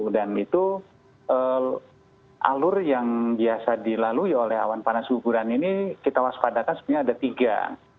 dan itu alur yang biasa dilalui oleh awan panas guguran ini kita waspadakan sebenarnya ada tiga